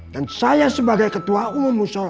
dan saya sebagai ketua umum musyola